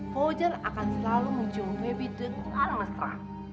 fauzan akan selalu mencium feby dengan mesra